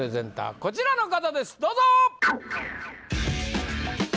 こちらの方ですどうぞ！